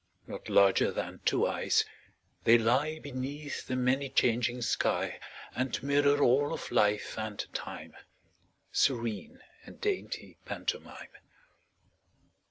Not larger than two eyes, they lie Beneath the many changing sky And mirror all of life and time, Serene and dainty pantomime.